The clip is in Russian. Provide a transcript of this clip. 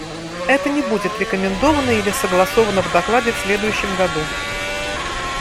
Это не будет рекомендовано или согласовано в докладе в следующем году.